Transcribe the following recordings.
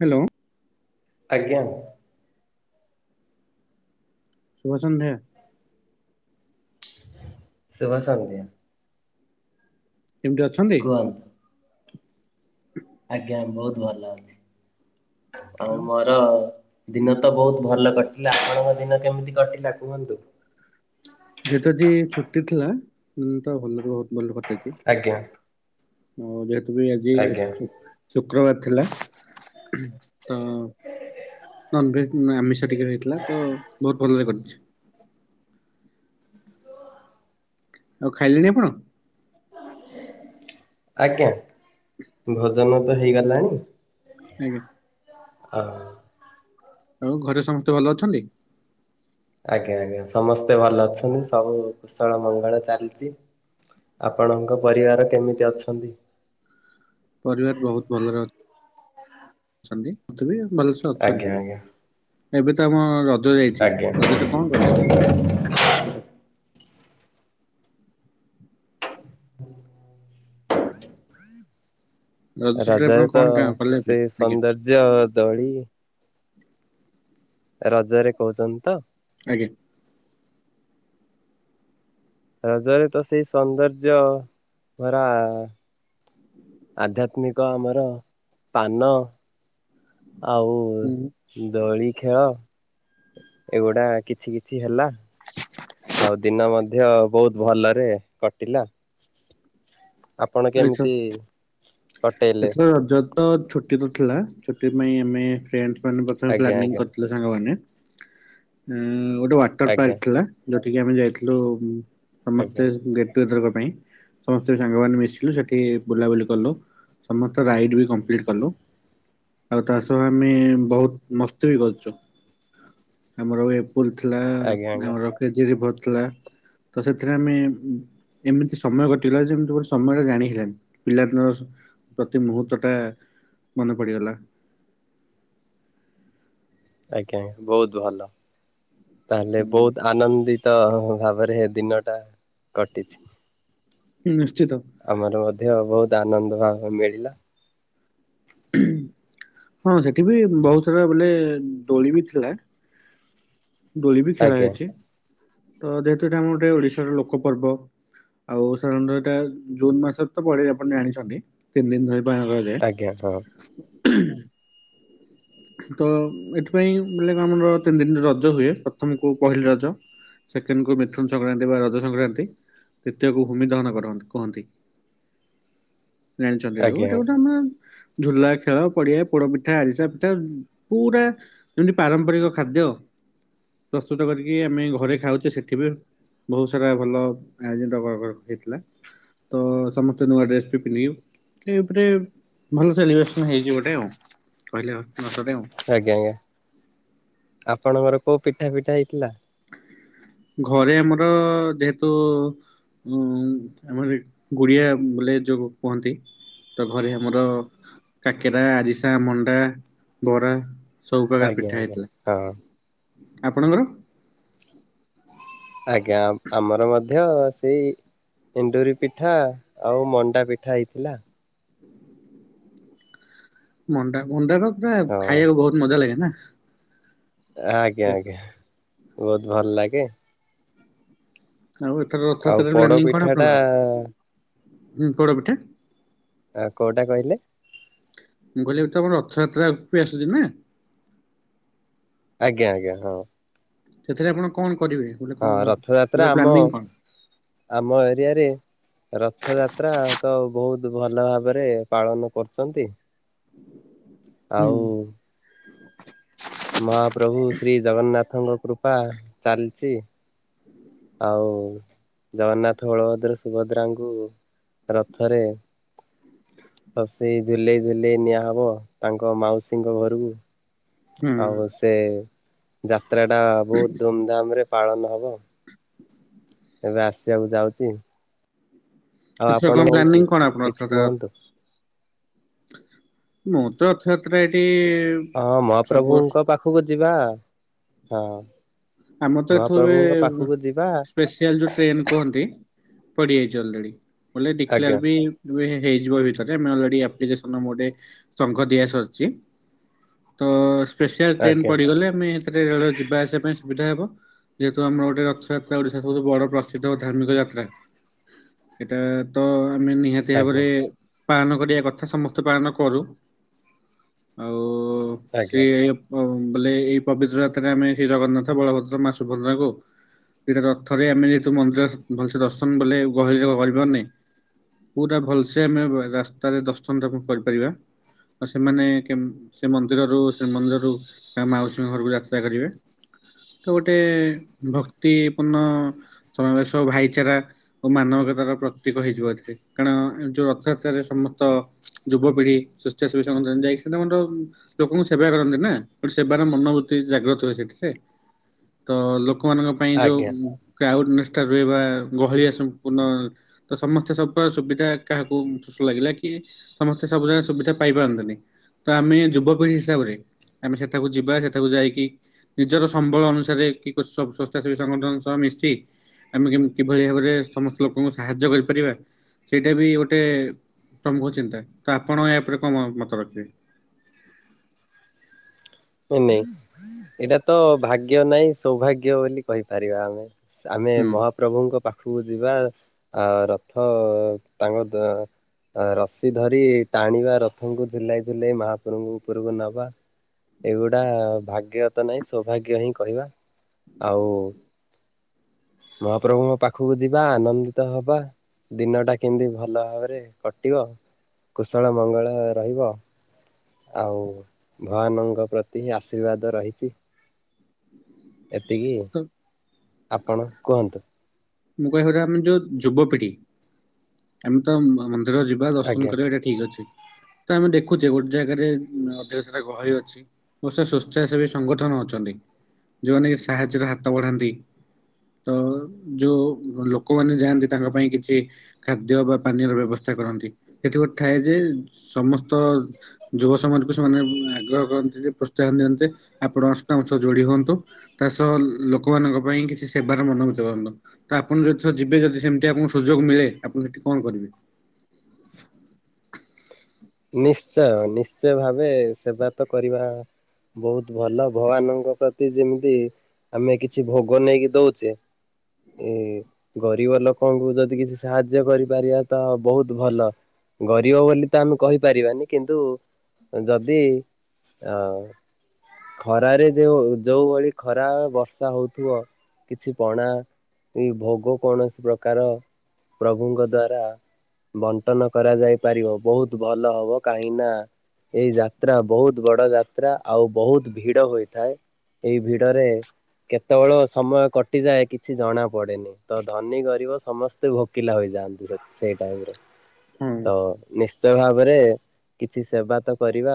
Hello. ଆଜ୍ଞା। ସୁୁଭସନ୍ଧ୍ୟା। ଶୁଭସନ୍ଧ୍ୟା। କେମିତି ଅଛନ୍ତି? ଆଜ୍ଞା ବହୁତ ଭଲ ଅଛି ଆଉ ମୋର ଦିନ ତ ବହୁତ ଭଲ କଟିଲା ଆପଣଙ୍କ ଦିନ କେମିତି କଟିଲା କୁହନ୍ତୁ? ଯେହେତୁ ଆଜି ଛୁଟି ଥିଲା ତ ଭଲରେ ବହୁତ ଭଲ କ ଆଜ୍ଞା। ଅ ଆଉ ଯେହେତୁ ବି ଆଜି ଆଜ୍ଞା ଶୁକ ଶୁକ୍ରବାର ଥିଲା ହ ନନଭେଜ୍ ମ୍ ଆମିଷ ଟିକେ ହେଇଥିଲା ତ ବହୁତ ଭଲରେ କଟିଛି। ଆଉ ଖାଇଲେନି ଆପଣ? ଆଜ୍ଞା, ଭୋଜନ ତ ହେଇଗଲାଣି ଆଜ୍ଞା ହ ଆଉ ଘରେ ସମସ୍ତେ ଭଲ ଅଛନ୍ତି? ଆଜ୍ଞା ଆଜ୍ଞା, ସମସ୍ତେ ଭଲ ଅଛନ୍ତି ସବୁ କୁଶଳ ମଙ୍ଗଳ ଚାଲିଛି ଆପଣଙ୍କ ପରିବାର କେମିତି ଅଛନ୍ତି? ପରିବାର ବହୁତ ଭଲରେ ଅ ଅଛନ୍ତି, ମତେ ବି ଭଲସ ଆଜ୍ଞା ଆଜ୍ଞା ଅଛନ୍ତି। ଏବେ ତ ଆମ ରଜ ଯାଇଛି, ଆଜ୍ଞା ରଜରେ କଣ କଲେ ଏ ରଜ ଛୁଟିରେ ଆପଣ ରଜରେ ତ କଣ କା- କଲେ ଏବେ ସେ ଆଜ୍ଞା ସୌନ୍ଦର୍ଯ୍ୟ ଦଳି ରଜରେ କହୁଛନ୍ତି ତ ଆଜ୍ଞା ରଜରେ ତ ସେଇ ସୌନ୍ଦର୍ଯ୍ୟ ଭରା ଆଧ୍ୟାତ୍ମିକ ଆମର ପାନ ହୁଁ ଆଉ ଦଳି ଖେଳ ଏଗୁଡା କିଛି କିଛି ହେଲା ଆଉ ଦିନ ମଧ୍ୟ ବହୁତ ଭଲରେ କଟିଲା। ଆପଣ ଏଛ କେମିତି କଟେଇଲେ? ଏଥର ରଜ ଛୁଟି ତ ଥିଲା, ଛୁଟି ପାଇଁ ଆମେ ଫ୍ରେଣ୍ଡସ ମାନଙ୍କ ସହ ଆଜ୍ଞା ପ୍ଲାନିଂ ଆଜ୍ଞା କରିଥିଲେ, ସାଙ୍ଗମାନେ ଉଁ ଗୋଟେ ୱାଟର ଆଜ୍ଞା ପାର୍କ ଥିଲା, ଯୋଉଠିକିି ଆମେ ଯାଇଥିଲୁ ସମସ୍ତେ ଆଜ୍ଞା ଗେଟ ଟୁଗେଦର ପାଇଁ ସମସ୍ତେ ସାଙ୍ଗମାନେ ମିଶ ସେଠି ବୁଲାବୁଲି କଲୁ, ସମସ୍ତ ରାଇଡ ବି କମ୍ପ୍ଲିଟ କଲୁ ଆଉ ତା ସହ ଆମେ ବହୁତ ମସ୍ତି ବି କରୁଛୁ। ଆମର ଏ ବୁଲ ଥିଲା। ଆଜ୍ଞା ଆଜ୍ଞା ଆମର କେଜରି ଭଦ। [unintelligible] ତ ସେଥିରେ ଆମେ ଏମିତି ସମୟ କଟିଗଲା ଯେମତି ଗୋଟେ ସମୟଟା ଜା ପିଲାଦିନ ପ୍ରତି ମୁହୂର୍ତ୍ତ ଟା ମନେ ପଡିଗଲା। [inaudible] ଆଜ୍ଞା ଆଜ୍ଞା, ବହୁତ ଭଲ, ତାହେଲେ ହୁଁ ବହୁତ ଆନନ୍ଦିତ ତ ଭାବରେ ଦିନ ଟା କଟିଛି। ହୁଁ। [unintelligible] ଆମର ମଧ୍ୟ ବହୁତ ଆନନ୍ଦ ଭାବ ମିଳିଲା। ହଁ ସେଠି ବି ବହୁତ ସାରା ବୋଇଲେ ଦୋଳି ବି ଥିଲା। ଦୋଳି ବି ଖେଳା ଆଜ୍ଞା ହୋଇଛି। ତ ଯେହେତୁ ଆମର ଗୋଟେ ଓଡିଶାର ଲୋକ ପର୍ବ ଆଉ ସାଧାରଣତଃ ଏଟା ଜୁନ ମାସରେ ତ ପଡେ ଆପଣ ଜାଣିଛନ୍ତି। ତିନି ଦିନ ଧରି। ଉପାୟ ନଗ ଯେ। ଆଜ୍ଞା ହଁ [unintelligible] ତ ଏଥିପାଇଁ ମ [unintelligible] କ ଆମର ତିନି ତିନି ରଜ ହୁଏ ପ୍ରଥମକୁ ପହିଲି ରଜ। ସେକେଣ୍ଡକୁ ମିଥୁନ ସଂକ୍ରାନ୍ତି ବା ରଜ ସଂକ୍ରାନ୍ତି ଦ୍ୱିତୀୟକୁ ଭୂମି ଦହନ କରନ୍ତି କୁହନ୍ତି। ଜାଣିଛନ୍ତି ଆଜ୍ଞା ଏଇଟାକୁ ତ, ଆଜ୍ଞା ଆମର ଝୁଲା, ଖେଳ ପଡିଆ, ପୋଡ ପିଠା, ଆରିସା। ଏଟା ପୁରା ଯେମତି ପାରମ୍ପରିକ ଖାଦ୍ୟ। ପ୍ରସ୍ତୁତ କରିକି ଆମେ ଘରେ ଖାଉଛେ ସେଠି ବି ବହୁତ ସାରା ଭଲ ଆୟୋଜିତ ହେଇଥିଲା। ତ ସମସ୍ତେ ନୂଆ ଡ୍ରେସ୍ ବି ପିନ୍ଧିବୁ। ଟେ ଭଲ ସେଲିବ୍ରେସନ ହେଇଛି ଗୋଟେ ଆଉ, କହିଲେ ଆଉ ବସ ଦେଉ। ଆଜ୍ଞା ଆଜ୍ଞା [unintelligible] ଆପଣଙ୍କର କୋଉ ପିଠା ପିଠା ହେଇଥିଲା? ଘରେ ଆମର ଯେହେତୁ। ଉଁ ଆମର ଗୁଡିଆ ବୋଲେ ଯୋଉ କୁହନ୍ତି। ତ ଘରେ ଆମର କାକେରା, ଆରିସା, ମଣ୍ଡା, ବରା। ସବୁପକାର ଆଜ୍ଞା ପିଠା ଆଜ୍ଞା ହେଇଥିଲା। ହଁ ଆପଣଙ୍କର ଆଜ୍ଞା ଆମର ମଧ୍ୟ। ମଧ୍ୟ ସେଇ ଏଣ୍ଡୁରି ପିଠା ଆଉ ମଣ୍ଡା ପିଠା ହେଇଥିଲା। ମଣ୍ଡା ମଣ୍ଡାର ପୁରା ହଁ ଖାଇବାକୁ ବହୁତ ମଜା ଲାଗେ ନା? ଆଜ୍ଞା ଆଜ୍ଞା ବହୁତ ଭଲ ଲାଗେ। ଆଉ ଏଥର ଆଉ ରଥଯାତ୍ରା ପୋଡ ପ୍ଲାନିଂ କ ଣ ପିଠା ଟା ଆପଣଙ୍କର ଉଁ ପୋଡ଼ପିଠା? ଆ କୋଉଟା କହିଲେ? ମୁଁ କହିଲି ତମର ରଥଯାତ୍ରା ଅଗୁକୁ ବି ଆସୁଚି ନା। ଆଜ୍ଞା ଆଜ୍ଞା ହଁ। ସେଥିରେ ଆପଣ କ ଣ ହଁ ରଥଯାତ୍ରା ଆମ ଆମ ଏରିଆରେ ରଥଯାତ୍ରା ତ ବହୁତ ବହୁତ ଭଲ ଭାବରେ ପାଳନ କରୁଚନ୍ତି। ହୁଁ ଆଉ ମହାପ୍ରଭୁ ଶ୍ରୀ ଜଗନ୍ନାଥଙ୍କ କୃପା ଚାଲିଚି। ଆଉ ଜଗନ୍ନାଥ ହଳଭଦ୍ର ସୁଭଦ୍ରାଙ୍କୁ ରଥରେ ହସେଇ ଝୁଲେଇ ଝୁଲେଇ ନିଆହବ ତାଙ୍କ ମାଉସୀଙ୍କ ଘରକୁ। ହୁଁ ଆଉ ସେ ଯାତ୍ରାଟା ବହୁତ ଧୁମଧାମରେ - ପାଳନ ହେବ। ଏବେ ଆସିବାକୁ ଯାଉଛି। ଆଉ କିଛିର ଆପଣ କଣ କହୁଛି ପ୍ଲାନିଂ କଣ ଆପଣ କିଛି ଅର୍ଥାତ। କୁହନ୍ତୁ। ମୁଁ ତ ରଥଯାତ୍ରା ଏଠି- ହଁ ସବୁ ବର୍ଷ ମହାପ୍ରଭୁଙ୍କ ପାଖକୁ ଯିବା ହଁ। ଆମର ତ ଏଠୁ ଏବେ ମହାପ୍ରଭୁଙ୍କ ପାଖକୁ ଯିବା। ସ୍ପେସିଆଲ ଯୋଉ ଟ୍ରେନ କୁହନ୍ତି- ପଡିଯାଇଛି ଅଲରେଡି ବୋଇଲେ ଡିକ୍ଳର ଆଜ୍ଞା ବି- ହେଇଯିବ ଭିତରେ ଆମେ ଅଲରେଡି ଆପ୍ଲିକେସନ୍ ର ଗୋଟେ ସଙ୍ଘ ଦିଆ ସରିଛି। ତ ସ୍ପେସିଆଲ ଟ୍ରେନ ଆଜ୍ଞା ପଡିଗଲେ ଆମେ ସେଥିରେ ରେଳ ଯିବା ଆସିବା ପାଇଁ- ସୁବିଧା ହବ। ଯେହେତୁ ଆମର ଗୋଟେ ରଥଯାତ୍ରା ଓଡିଶା ସବୁଠୁ ବଡ ପ୍ରସିଦ୍ଧ ଧାର୍ମିକ ଯାତ୍ରା। ଏଇଟା ତ ଆମେ ନିହାତି ଆଜ୍ଞା ଭାବରେ- ପାଳନ କରିବା କଥା ସମସ୍ତେ ପାଳନ କରୁ। ଆଉ- ତ ଆଜ୍ଞା ସିଏ ବୋଲେ ଏଇ ପବିତ୍ର ଯାତ୍ରାରେ ଆମେ ଏଠି ଜଗନ୍ନାଥ- ବଳଭଦ୍ର ମା ସୁଭଦ୍ରାଙ୍କୁ- ଏଇଠି ରଥରେ ଆମେ ଯେହେତୁ ମନ୍ଦିର ଭଲସେ ଦର୍ଶନ କଲେ ଗହଳି ରହିବନି। ପୁରା ଭଲସେ ଆମେ ରାସ୍ତାରେ ଦର୍ଶନ ଆମେ କରିପାରିବା ଆ ସେମାନେ ସେ ମନ୍ଦିରରୁ ଶ୍ରୀମନ୍ଦିରରୁ ମାଉସୀ ଘରକୁ ଯାତ୍ରା କରିବେ। ତ ଗୋଟେ ଭକ୍ତିପୂର୍ଣ୍ଣ ସମାବେଶ ଭାଇଚାରା ଓ ମାନବ। ପ୍ରତୀକ ହେଇଯିବ। ଏଥିରେ କାରଣ ଏ ଯୋଉ ରଥଯାତ୍ରାରେ ସମସ୍ତ ଯୁବପିଢି ସ୍ଵେଚ୍ଛାସେବି - ଯାଇକି ସେରା ଲୋକଙ୍କୁ ସେବା କରନ୍ତି ନା ଗୋଟେ ସେବାରେ ମନବ୍ରୁତି ଜାଗ୍ରତ ହୋଇଯାଏ। ତ ଲୋକମାନଙ୍କ ପାଇଁ ଯୋଉ ଆଜ୍ଞା। ଆୱାରନେସ - ସେଟା ରହିବା ଗହଳିଆ ସମ୍ପୂର୍ଣ୍ଣ ତ ସମସ୍ତେ ସ ସୁବିଧା କାହାକୁ ସୁଶ ଲାଗିଲା କି- ସମସ୍ତେ ସବୁ ଯାକ ସୁବିଧା ପାଇପାରନ୍ତିନି। ତ ଆମେ ଯୁବପିଢି ହିସାବରେ ଆମେ ସେଠାକୁ ଯିବା ସେଠାକୁ ଯାଇକି ନିଜର ସମ୍ବଳ ଅନୁସାରେ କି କୋ ସବ୍ ସ୍ଵେଛାସେବୀ ସଂଗଠନ ସହ ମିଶି ଆମେ କେମିତି କିଭଳି ଭାବରେ ସମସ୍ତ ଲୋକଙ୍କୁ ସାହାଯ୍ୟ କରିପାରିବା। ସେଇଟା ବି ଗୋଟେ ପ୍ରମୁଖ ଚିନ୍ତା ତ ଆପଣ ୟା ଉପରେ କଣ କଣ ମତ ରଖିବେ? ନା ନାଇଁ ଏଇଟା ତ ଭାଗ୍ୟ ନାଇଁ ସୌଭାଗ୍ୟ ବୋଲି କହିପାରିବା ଆମେ। ଆମେ ହୁଁ। ମହାପ୍ରଭୁଙ୍କ ପା ଖକୁ ଯିବା ଆ ରଥ ତାଙ୍କ ଦ ରଶି ଧରି ଟାଣିବା ରଥଙ୍କୁ ଝୁଲେଇ ଝୁଲେଇ ମହାପ୍ରଭୁଙ୍କ ଉପରକୁ ନବା। ଏଗୁଡା ଭାଗ୍ୟ ତ ନାଇଁ ସୌଭାଗ୍ୟ ହିଁ କହିବା। ଆଉ ମହାପ୍ରଭୁଙ୍କ ପାଖକୁ ଯିବା ଆନନ୍ଦିତ ହବା। ଦିନଟା କେମିତି ଭଲ ଭାବରେ କଟିବ କୁଶଳ ମଙ୍ଗଳ ରହିବ। ଆଉ ଭଗବାନଙ୍କ ପ୍ରତି ଆଶୀର୍ବାଦ ରହିଛି। ଏତିକି, ତ ଆପଣ କୁହନ୍ତୁ। ମୁଁ କହିବାକଥା ଆମେ ଯୋଉ ଯୁବପିଢି, ଆମେ ତ ଆମ୍ [inaudible] [inaudible] ଯିବା ଦର୍ଶନ ଆଜ୍ଞା। କରିବା ଏଇଟା ଠିକ୍ ଅଛି। ତ ଆମେ ଦେଖୁଛେ ଗୋଟେ ଜାଗାରେ ଅଧିକ ସାରା ଗହଳି ଅଛି [inaudible] ସ୍ଵେଚ୍ଛାସେବୀ ସଂଗଠନ ଅଛନ୍ତି, ଯୋଉମାନେ ସାହାଯ୍ୟର ହାତ ବଢାନ୍ତି ତ ଯୋଉ ଲୋକମାନେ ଯାଆନ୍ତି ତାଙ୍କ ପାଇଁ କିଛି ଖାଦ୍ୟ ବା ପାନୀୟର ବ୍ୟବସ୍ଥା କରନ୍ତି, ସେଥୁ ଥାଏ ଯେ ସମସ୍ତ ଯୁବ ସମାଜକୁ ସେମାନେ ଆଗ୍ରହ କରନ୍ତି ଯେ ପ୍ରୋତ୍ସାହନ ଦିଅନ୍ତି ଆପଣ ଅଷ୍ଟ [inaudible] ଯୋଡି ହୁଅନ୍ତୁ ତା ସହ ଲୋକମାନଙ୍କ ପାଇଁ କିଛି ସେବାର ମନୋମତ କରନ୍ତୁ। ତ ଆପଣ ଯଦି ଥରେ ଯିବେ ଯଦି ସେମିତି ଆପଣଙ୍କୁ ସୁଯୋଗ ମିଳେ ଆପଣ ସେଠି କଣ କରିବେ? [inaudible] ନିଶ୍ଚୟ ନିଶ୍ଚୟ ଭାବେ ସେବା ତ କରିବା ବହୁତ ଭଲ ଭଗବାନଙ୍କ ପ୍ରତି ଯେମିତି ଆମେ କିଛି ଭୋଗ ନେଇକି ଦଉଛେ ଏ ଗରିବ ଲୋକଙ୍କୁ ଯଦି କିଛି ସାହାଯ୍ୟ କରିପାରିବା ତ ବହୁତ୍ ଭଲ। ଗରିବ ବୋଲି ତ ଆମେ କହିପାରିବାନି କିନ୍ତୁ ଯଦି ଅଁ-ଅଁ ଖରାରେ ଯୋଉ, ଯୋଉ ଭଳି ଖରା ବର୍ଷା ହଉଥିବ କିଛି ପଣା ଏଇ ଭୋଗ କୌଣସି ପ୍ରକାର ପ୍ରଭୁଙ୍କ ଦ୍ଵାରା ବଣ୍ଟନ କରାଯାଇ ପାରିବ ବହୁତ୍ ଭଲ ହବ କାହିଁ ନା ଏଇ ଯାତ୍ରା ବହୁତ ବଡ ଯାତ୍ରା ଆଉ ବହୁତ୍ ଭିଡ ହୋଇଥାଏ। ଏଇ ଭିଡରେ କେତେବେଳ ସମୟ କଟିଯାଏ କିଛି ଜଣା ପଡେନି, ତ ଧନୀ ଗରିବ ସମସ୍ତେ ଭୋକିଲା ହୋଇ ଯାଆନ୍ତି, ସେଇ ଟାଇମରେ ତ ହଁ ନିଶ୍ଚ୍ ତ ଭାବରେ କିଛି ସେବା ତ କରିବା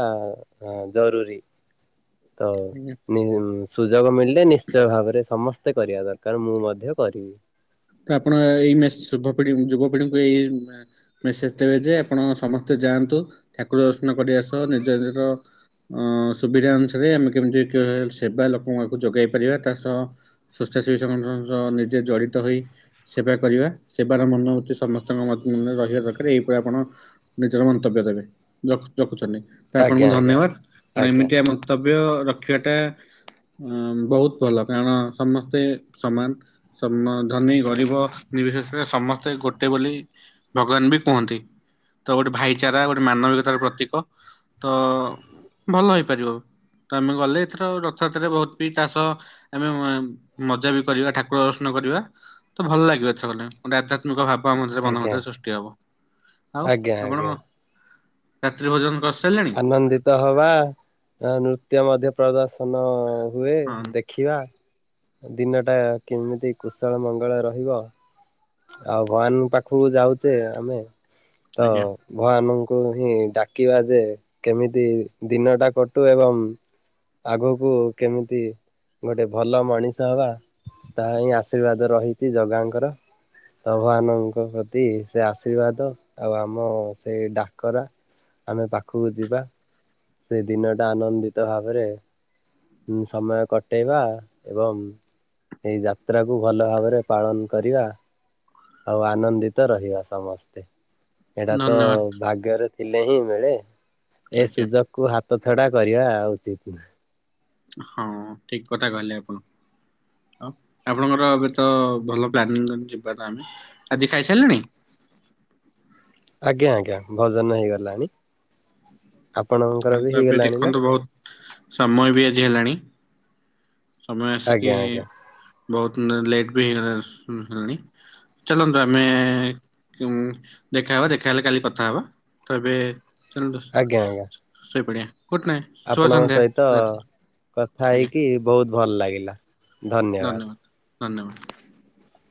ଜରୁରୀ। ତ ନିଇ [inaudible] ସୁଯୋଗ ମିଳିଲେ ନିଶ୍ଚୟ ଭାବରେ ସମସ୍ତେ କରିବା ଦରକାର, ମୁଁ ମଧ୍ୟ କରିବି। ତ ଆପଣ ଏଇ ମେସ୍ ଯୁବପିଢି ଯୁବପିଢିଙ୍କୁ ଏଇ ମେସେଜ୍ ଦେବେ ଯେ ଆପଣ ସମସ୍ତେ ଯାଆନ୍ତୁ, ଠାକୁର ଦର୍ଶନ କରିବା ସହ ନିଜ ନିର ଅଁ- ଅଁ ସୁବିଧା ଅନୁସାରେ ଆମେ କେମିତି କେ [inaudible] ସେବା ଲୋକ [inaudible] ଙ୍କୁ ଯୋଗାଇ ପାରିବା ତା ସହ ସ୍ୱେଚ୍ଛାସେବୀ ସଙ୍ଗଠନ ସହ ନିଜେ ଜଡ଼ିତ ହୋଇ ସେବା କରିବା, ସେବାର ମନୋବୃତ୍ତି ସମସ୍ତଙ୍କ ମଧ୍ୟରେ ରହିବା ଦରକାର ଏଇପରି ଆପଣ ନିଜର ମ ମନ୍ତବ୍ୟ ଦେବେ, ରଖୁ ରଖୁଛନ୍ତି ତ ଆପଣଙ୍କୁ ଆଜ୍ଞା ଆଜ୍ଞା ଧନ୍ୟବାଦ କାରଣ ଆଜ୍ଞା ଏମିତିଆ ମନ୍ତବ୍ ବ୍ୟ ରଖିବାଟା ଅଁ-ଅଁ ବହୁତ୍ ଭଲ କାରଣ ସମସ୍ତେ ସମାନ ସମଧ ଧନୀ ଗରିବ ନିର୍ବିଶେଷରେ ସମସ୍ତେ ଗୋଟେ ବୋଲି ଭଗବାନ ବି କୁହନ୍ତି। ତ ଗୋଟେ ଭାଇଚାରା ଗୋଟେ ମାନବିକତାର ପ୍ରତୀକ, ତ ଭଲ ହେଇପାରିବ। ତ ଆମେ ଗଲେ ଏଥର ରଥଯାତ୍ରାରେ ବହୁତ ବି ତା ସହ ଆମେ ମ-ମ ମଜା ବି କରିବା ଠାକୁର ଦର୍ଶନ କରିବା। ତ ଭଲ ଲାଗିବ ଏଥରଗଲେ ଗୋଟେ ଆଧ୍ୟାତ୍ମିକ ଭାବ୍ [inaudible] ମଧ୍ୟରେ ମନ ଆଜ୍ଞା ମଧ୍ୟରେ ସୃଷ୍ଟି ହବ, ଆଉ ଆଜ୍ଞା ଆପଣ ଆଜ୍ଞା ରାତ୍ରି ଭୋଜନ କରସ ଆନନ୍ଦିତ ହବା, ନୃତ୍ୟ ମଧ୍ୟ ପ୍ରଦର୍ଶନ ହୁଏ, ହଁ ଦେଖିବା ଦିନଟା କେମିତି କୁଶଳ ମଙ୍ଗଳ ରହିବ ଆଉ ଭଗବାନ ପାଖକୁ ଯାଉଛେ ଆମେ ତ ଆଜ୍ଞା ଭଗବାନୁ ଙ୍କୁ ହିଁ ଡାକିବା ଯେ କେମିତି ଦିନଟା କଟୁ ଏବଂ ଆଗକୁ କେମିତି ଗୋଟେ ଭଲ ମଣିଷ ହବା ତା ହିଁ ଆଶୀର୍ବାଦ ରହିଛି ଜଗାଙ୍କର। ଭଗବାନଙ୍କ ପ୍ରତି ସେ ଆଶୀର୍ବାଦ ଆଉ ଆମ ସେଇ ଡାକରା ଆମେ ପାଖକୁ ଯିବା ସେ ଦିନଟା ଆନନ୍ଦିତ ଭାବରେ ଉଁ ସମୟ କଟେଇବା ଏବଂ ଏଇ ଯାତ୍ରାକୁୁ ଭଲ ଭାବରେ ପାଳନ୍ କରିବା। ଆଉ ଆନନ୍ଦିତ ରହିବା ସମସ୍ତେ ଏଇଟା ତ ଧନ୍ୟବାଦ ଭାଗ୍ୟରେ ଥିଲେ ହିଁ ମିଳେ ଏ ଆଜ୍ଞା ସୁଯୋଗକୁୁ ହାତ ଛଡା କରିବା ଉଚିତ ନୁହେଁ। ହଁ ଠିକ କଥା କହିଲେ ଆପଣ। ଆଉ ଆପଣଙ୍କର ଏବେ ତ ଭଲ ପ୍ଲାନିଂ ଙ୍କ ଯିବାର ଆମେ। ଆଜି ଖାଇ ସାଇଲେଣି? ଆଜ୍ଞା ଆଜ୍ଞା ଭୋଜନ ହେଇଗଲାଣି। ଆପଣଙ୍କର ଆଉ ବି ତ ଏବେ ହେଇଗଲାଣି ନା ଦେଖନ୍ତୁ ବୋହୁତ୍ ସମୟ ବି ଆଜି ହେଲାଣି ସମୟ ଆସିକି ଆଜ୍ଞା ଆଜ୍ଞା ବୋହୁତ ଲେଟ୍ ବି ହେଇଗଲା ସୁ ହେଲାଣି ଚାଲନ୍ତୁ ଆମେ ଚୁଁ ଦେଖାହବ ଦେଖାହେଲେ କାଲି କଥା ହବା ତ ଏବେ ଆଜ୍ଞା ଆଜ୍ଞା ଶୋଇପଡିବା। ଗୁଡ୍ ନାଇଟ୍ ଶୁଭ ଆପଣଙ୍କ ସନ୍ଧ୍ୟା ସହିତ ରାତ୍ରି କଥା ଆଜ୍ଞା ହେଇକି ବୋହୁତ ଭଲ ଲାଗିଲା ଧନ୍ୟବାଦ। ଧନ୍ୟବାଦ।